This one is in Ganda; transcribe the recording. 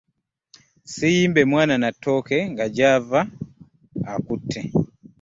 Siiyimbe mwana na ttoke nga jyava akuttte .